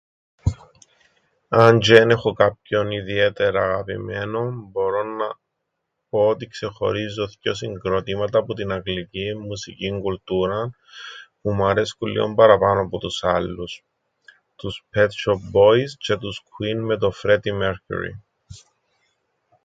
Αν τζ̆αι εν έχω κάποιον ιδιαίτερα αγαπημένον, μπορώ να πω ότι ξεχωρίζω θκυο συγκροτήματα που την αγγλικήν μουσικήν κουλτούραν, που μου αρέσκουν λλίον παραπάνω που τους άλλους: τους Ππετ Σ̆οπ Πόις τζ̆αι τους Κκουίν με τον Φρέντι Μέρκιουρι.